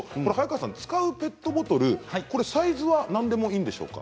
使うペットボトルサイズは何でもいいでしょうか。